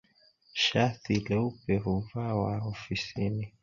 Shathi leupe huvawa hofisini